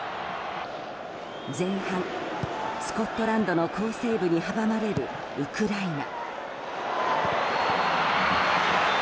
前半スコットランドの好セーブに阻まれるウクライナ。